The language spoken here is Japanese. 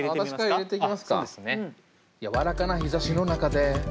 「やわらかな日差しの中で」